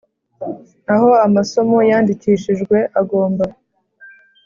Aho amasomo yandikishijwe agomba